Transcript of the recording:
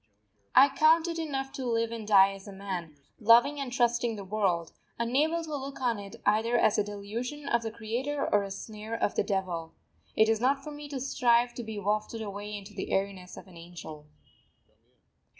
I count it enough to live and die as a man, loving and trusting the world, unable to look on it either as a delusion of the Creator or a snare of the Devil. It is not for me to strive to be wafted away into the airiness of an Angel.